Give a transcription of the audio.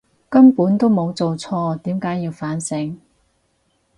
根本都冇做錯，點解要反省！